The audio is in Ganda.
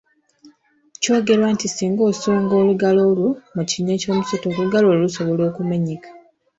Kyogerwa nti singa osonga olugalo lwo mu kinnya ky’omusota, olugalo lwo lusobola okumenyeka.